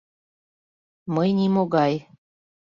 — Мый нимогай.